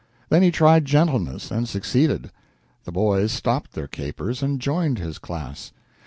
Then he tried gentleness, and succeeded. The boys stopped their capers and joined his class.